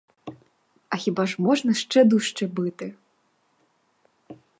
А хіба ж можна ще дужче бити?